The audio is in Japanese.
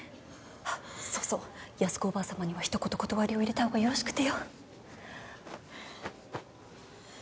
あっそうそう八寿子おばあさまには一言断りを入れた方がよろしくてよ。